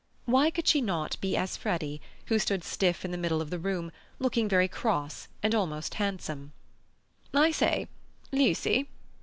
Why could she not be Freddy, who stood stiff in the middle of the room; looking very cross and almost handsome? "I say, Lucy!"